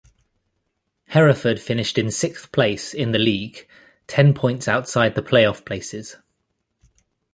Hereford finished in sixth place in the league, ten points outside the play-off places.